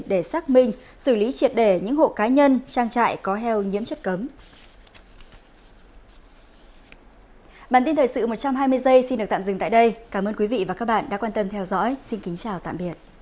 để xác minh xử lý triệt đề những hộ cá nhân trang trại có heo nhiễm chất cấm